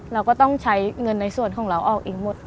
เราก็ต้องใช้เงินในส่วนของเราออกเองหมด